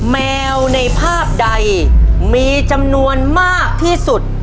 แมวในภาพใดมีจำนวนมากที่สุด